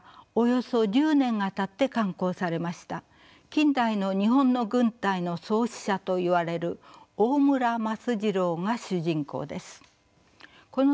近代の日本の軍隊の創始者といわれる大村益次郎が主人公です。